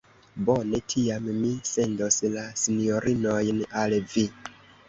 Bone, tiam mi sendos la sinjorinojn al vi.